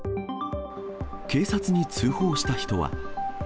警察に通報した人は。